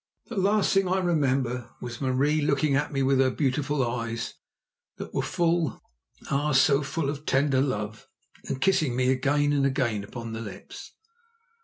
The last thing I remember was Marie looking at me with her beautiful eyes, that were full—ah! so full of tender love, and kissing me again and again upon the lips.